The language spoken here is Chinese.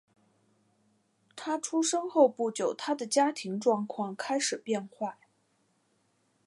他出生后不久他的家庭状况开始变坏。